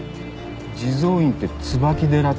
地蔵院って椿寺っていうの？